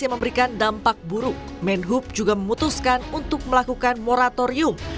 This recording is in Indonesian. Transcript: yang memberikan dampak buruk menhub juga memutuskan untuk melakukan moratorium